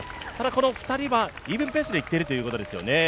この２人はイーブンペースでいっているということですよね。